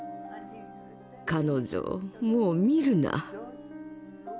「彼女をもう見るな。